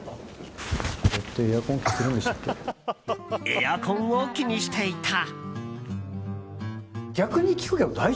エアコンを気にしていた。